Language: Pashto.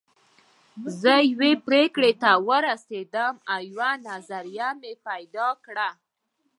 زه يوې پرېکړې ته ورسېدم او يوه نظريه مې پيدا کړه.